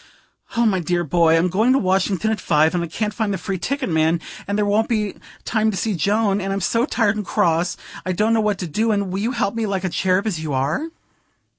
"Oh, my dear boy, I'm going to Washington at five, and I can't find the free ticket man, and there won't be time to see Joan, and I'm so tired and cross I don't know what to do; and will you help me, like a cherub as you are?"